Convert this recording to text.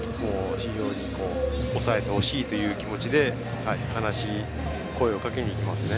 抑えてほしいという気持ちで話し、声をかけに行きますね。